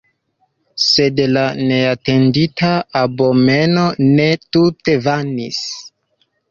Sed la neatendita abomeno ne tute vanis.